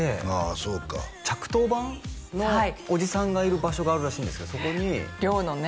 そうか着到板のおじさんがいる場所があるらしいんですがそこに寮のね